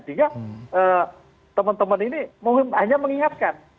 sehingga teman teman ini hanya mengingatkan